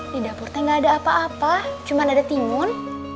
di dapurnya gak ada apa apa cuma ada timun